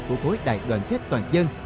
của cối đại đoàn kết toàn dân